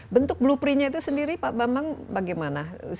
bentuk blupery nya itu sendiri pak bambang bagaimana